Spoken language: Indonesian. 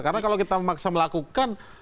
karena kalau kita memaksa melakukan